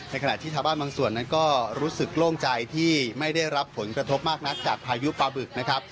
ขณะที่ชาวบ้านบางส่วนนั้นก็รู้สึกโล่งใจที่ไม่ได้รับผลกระทบมากนักจากพายุปลาบึกนะครับ